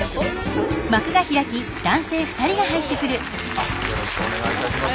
あっよろしくお願いいたします。